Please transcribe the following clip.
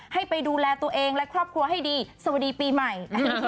ให้ไปดูแลตัวเองและครอบครัวให้ดีสวัสดีปีใหม่